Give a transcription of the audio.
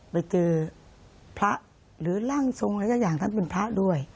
ไปเจอพระหรือร่างทรงอะไรสักอย่างท่านเป็นพระด้วย